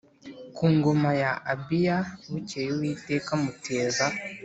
ku ngoma ya Abiya Bukeye Uwiteka amuteza